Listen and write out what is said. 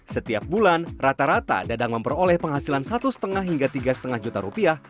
setiap bulan rata rata dadang memperoleh penghasilan satu lima hingga tiga lima juta rupiah